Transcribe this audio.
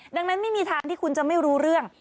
ดังนั้นไม่มีทางที่คุณจะไม่รู้เรื่อง